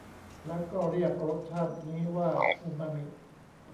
แล้วก็เรียกรสชาตินี้ว่าอูมามิ